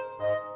gak ada apa apa